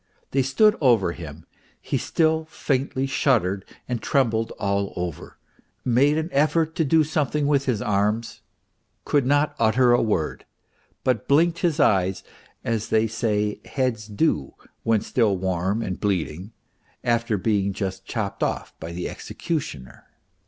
They stood over him, he still faintly shuddered and trembled all over, made an effort to do something with his arms, could not utter a word, but blinked his eyes as they say heads do when still warm and bleeding, after being just chopped off by the executioner.